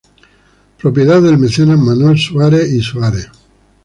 Propiedad del mecenas Manuel Suarez y Suarez